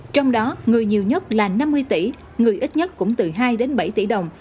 trong đó người nhiều nhất là năm mươi tỷ người ít nhất cũng từ hai đến bảy tỷ đồng